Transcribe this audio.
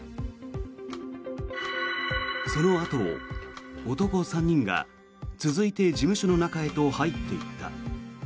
そのあとを男３人が続いて事務所の中へと入っていった。